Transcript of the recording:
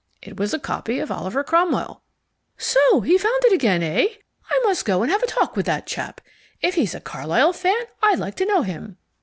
It was a copy of Oliver Cromwell." "So he found it again, eh? I must go and have a talk with that chap. If he's a Carlyle fan I'd like to know him."